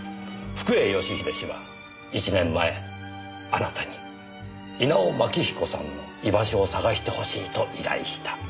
福栄義英氏は１年前あなたに稲尾真木彦さんの居場所を捜してほしいと依頼した。